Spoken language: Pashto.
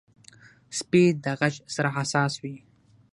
سپي د غږ سره حساس وي.